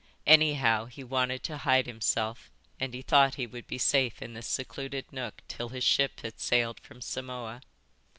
Anyhow, he wanted to hide himself, and he thought he would be safe in this secluded nook till his ship had sailed from Samoa."